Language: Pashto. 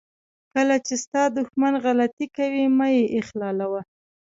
کله چې ستا دښمن غلطي کوي مه یې اخلالوه.